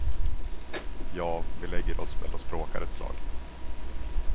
Ja vi lägger oss väl och språkar ett slag!